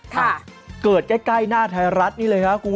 ถ้าเกิดใกล้หน้าไทรรัสนี่เลยค่ะ